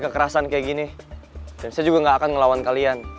kekerasan kayak gini dan saya juga gak akan ngelawan kalian